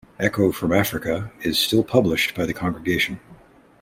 "Echo From Africa" is still published by the congregation.